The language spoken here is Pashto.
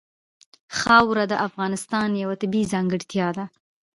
خاوره د افغانستان یوه طبیعي ځانګړتیا ده.